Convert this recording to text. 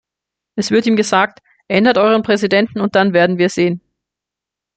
Es wird ihm gesagt: " Ändert Euren Präsidenten, und dann werden wir sehen" .